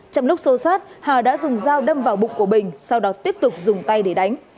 trong lúc xô sát hà đã dùng dao đâm vào bụng của bình sau đó tiếp tục dùng tay để đánh